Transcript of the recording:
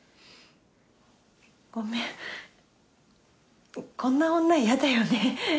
ごめんこんな女嫌だよね？